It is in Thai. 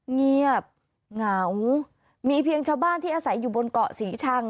เงียบเหงามีเพียงชาวบ้านที่อาศัยอยู่บนเกาะศรีชัง